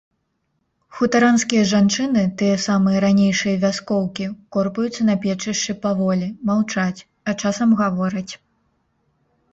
Хутаранскія жанчыны, тыя самыя ранейшыя вяскоўкі, корпаюцца на печышчы паволі, маўчаць, а часам гавораць.